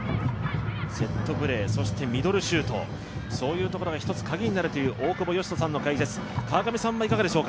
セットプレー、そしてミドルシュート、そういうところが一つ鍵になるという大久保嘉人さんの解説。